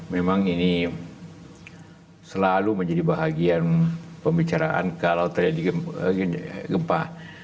memang ini selalu menjadi bahagian pembicaraan kalau terjadi gempa